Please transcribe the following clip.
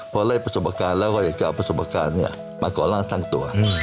พอได้ประสบการณ์แล้วก็อยากจะเอาประสบการณ์มาก่อร่างสร้างตัว